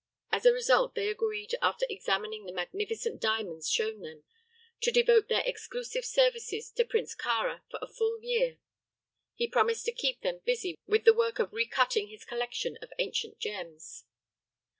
As a result they agreed, after examining the magnificent diamonds shown them, to devote their exclusive services to Prince Kāra for a full year, he promising to keep them busy with the work of recutting his collection of ancient gems.